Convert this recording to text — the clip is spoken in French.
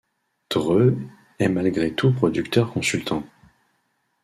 Dre est malgré tout producteur consultant.